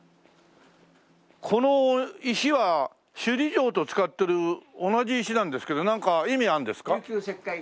この石は首里城と使ってる同じ石なんですけどなんか意味あるんですか？